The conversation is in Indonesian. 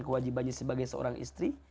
kewajibannya sebagai seorang istri